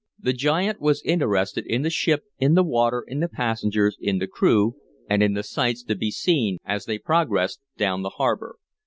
The giant was interested in the ship, in the water, in the passengers, in the crew and in the sights to be seen as they progressed down the harbor.